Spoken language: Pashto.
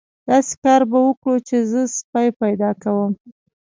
داسې کار به وکړو چې زه سپی پیدا کوم.